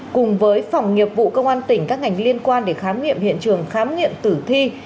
cùng với phòng nghiệp vụ công an tỉnh các ngành liên quan để khám nghiệm hiện trường khám nghiệm tử thi